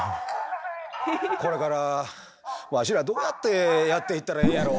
「これからわしらどうやってやっていったらええんやろ？」。